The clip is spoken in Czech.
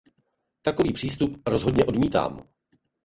Takový přístup rozhodně odmítám.